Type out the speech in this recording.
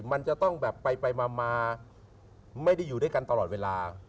มันจะต้องแบบไปมาไม่ได้อยู่ด้วยกันตลอดเวลา